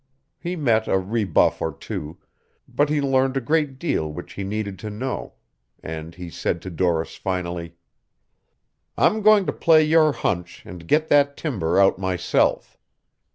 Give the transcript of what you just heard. He met a rebuff or two, but he learned a great deal which he needed to know, and he said to Doris finally: "I'm going to play your hunch and get that timber out myself.